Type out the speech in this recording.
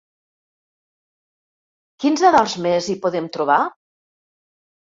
Quins adorns més hi podem trobar?